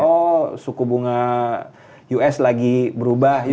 oh suku bunga us lagi berubah